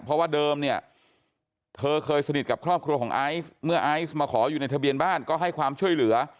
เพราะว่าเดิมเนี่ยเธอเคยสนิทกับครอบครัวของไอซ์เมื่อไอซ์มาขออยู่ในทะเบียนบ้านก็ให้ความช่วยเหลือ